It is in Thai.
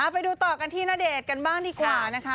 ไปดูต่อกันที่ณเดชน์กันบ้างดีกว่านะคะ